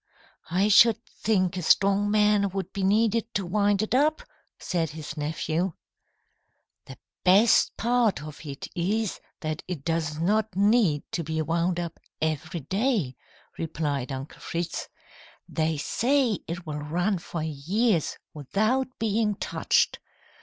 "I should think a strong man would be needed to wind it up," said his nephew. "The best part of it is that it does not need to be wound every day," replied Uncle Fritz. "They say it will run for years without being touched.